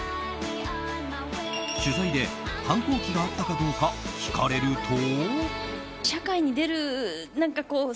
取材で、反抗期があったかどうか聞かれると。